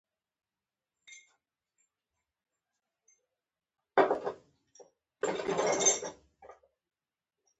هوټلونه او رسټورانټونه یې ډېر ښایسته دي.